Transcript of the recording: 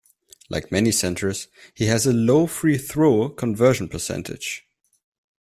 Like many centers, he has a low free throw conversion percentage.